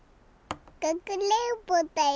かくれんぼだよ！